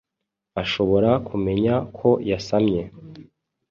ashobora kumenya ko yasamye